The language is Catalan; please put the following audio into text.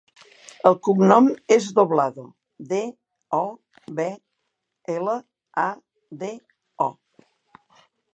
El cognom és Doblado: de, o, be, ela, a, de, o.